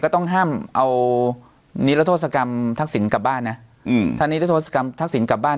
ต้องห้ามเอานิรโทษกรรมทักษิณกลับบ้านนะถ้านิรโทษกรรมทักษิณกลับบ้าน